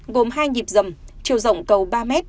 gồm hai nhịp rầm chiều rộng cầu ba m